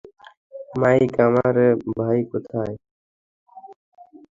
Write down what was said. Mic, আমার ভাই কোথায়?